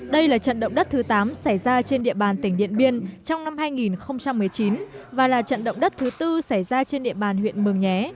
đây là trận động đất thứ tám xảy ra trên địa bàn tỉnh điện biên trong năm hai nghìn một mươi chín và là trận động đất thứ tư xảy ra trên địa bàn huyện mường nhé